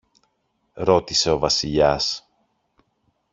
ρώτησε ο Βασιλιάς.